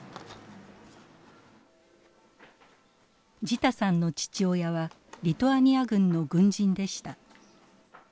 ジタさんの父親はリトアニア軍の軍人でした。